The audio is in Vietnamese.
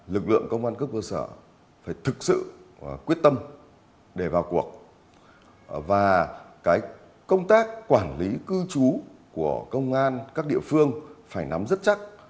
lực lượng công an cấp cơ sở phải thực sự quyết tâm để vào cuộc và công tác quản lý cư trú của công an các địa phương phải nắm rất chắc